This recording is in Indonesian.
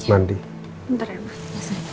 bentar ya ma